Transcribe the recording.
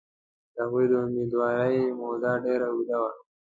د هغوی امیندوارۍ موده ډېره اوږده وه.